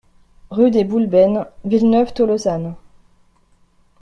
RUE DES BOULBENES, Villeneuve-Tolosane